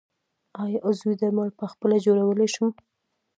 آیا عضوي درمل پخپله جوړولی شم؟